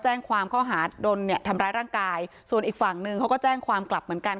แจ้งความข้อหาโดนเนี่ยทำร้ายร่างกายส่วนอีกฝั่งนึงเขาก็แจ้งความกลับเหมือนกัน